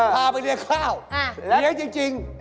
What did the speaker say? พาไปเลี้ยงข้าวเลี้ยงจริง